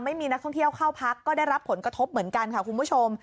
ไม่มีนักท่องเที่ยวเข้าพักก็ได้รับผลกระทบเหมือนกันค่ะคุณผู้ชม